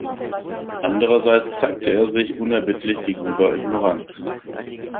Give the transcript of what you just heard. Andererseits zeigte er sich unerbittlich gegenüber Ignoranz.